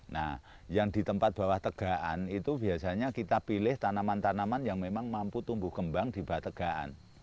nah yang di tempat bawah tegaan itu biasanya kita pilih tanaman tanaman yang memang mampu tumbuh kembang di bawah tegaan